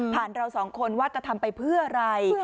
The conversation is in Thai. เราสองคนว่าจะทำไปเพื่ออะไร